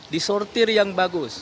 disortir yang bagus